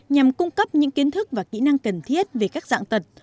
nhằm cung cấp những kiến thức và kỹ năng cần thiết về các dạng tật